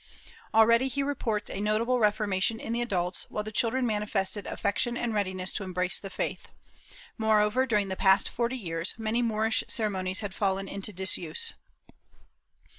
Already he reports a notable reformation in the adults, while the children manifested affection and readiness to embrace the faith; moreover, during the past forty years, many Moorish ceremonies had fallen into disuse.